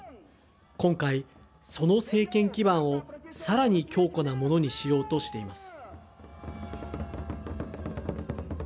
今回、その政権基盤をさらに強固なものにしようとしています。